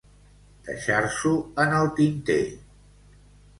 Deixar-s'ho en el tinter.